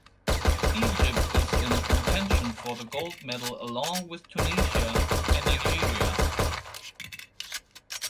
Egypt is in contention for the gold medal along with Tunisia and Nigeria.